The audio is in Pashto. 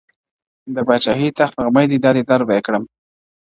د پاچاهۍ د تخت غمى دی دادی در به يې كــــــــړم.